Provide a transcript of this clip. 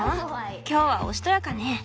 今日はおしとやかね。